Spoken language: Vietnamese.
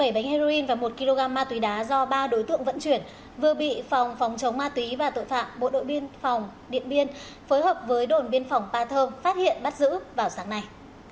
bảy bánh heroin và một kg ma túy đá do ba đối tượng vận chuyển vừa bị phòng phòng chống ma túy và tội phạm bộ đội biên phòng điện biên phối hợp với đồn biên phòng ba thơm phát hiện bắt giữ vào sáng nay